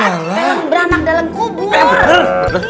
pehlema beranak dalam kubur